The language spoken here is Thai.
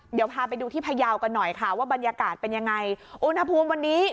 เดี๋ยวพาไปดูที่พยาวกันหน่อยค่ะว่าบรรยากาศเป็นยังไงอุณหภูมิวันนี้